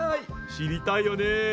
知りたいよね。